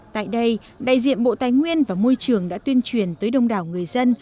tại đây đại diện bộ tài nguyên và môi trường đã tuyên truyền tới đông đảo người dân